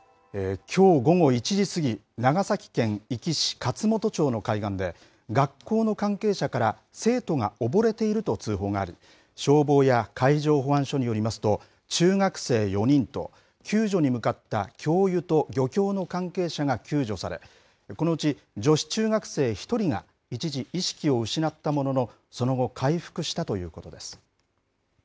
きょう午後１時過ぎ、長崎県壱岐市勝本町の海岸で、学校の関係者から生徒が溺れていると通報があり、消防や海上保安署によりますと、中学生４人と救助に向かった教諭と漁協の関係者が救助され、このうち女子中学生１人が一時、意識を失ったものの、その後、回復したということです。